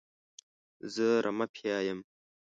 زه رمه پیايم.